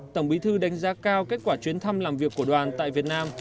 tổng bí thư đánh giá cao kết quả chuyến thăm làm việc của đoàn tại việt nam